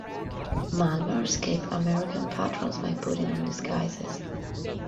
Malvar escaped American patrols by putting on disguises.